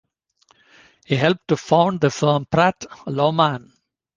He helped to found the firm of Pratt, Lauman.